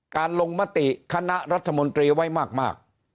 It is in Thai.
ลงมติคณะรัฐมนตรีไว้มาก